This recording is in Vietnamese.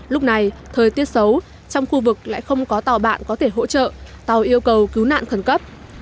lúc này thời tiết xấu trong khu vực lại không có tàu bạn có thể hỗ trợ tàu yêu cầu cứu nạn khẩn cấp